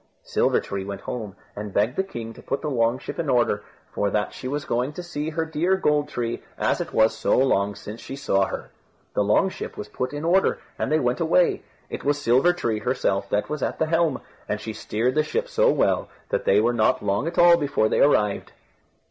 Silver tree, went home, and begged the king to put the long ship in order, for that she was going to see her dear Gold tree, as it was so long since she saw her. The long ship was put in order, and they went away. It was Silver tree herself that was at the helm, and she steered the ship so well that they were not long at all before they arrived.